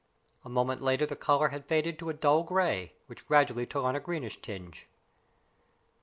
A moment later the color had faded to a dull gray, which gradually took on a greenish tinge.